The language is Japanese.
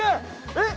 えっ？